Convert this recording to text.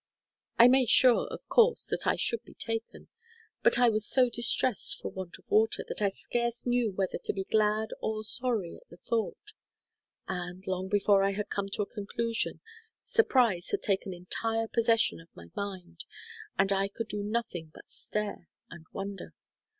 I made sure, of course, that I should be taken; but I was so distressed for want of water, that I scarce knew whether to be glad or sorry at the thought; and, long before I had come to a conclusion, surprise had taken entire possession of my mind, and I could do nothing but stare and wonder.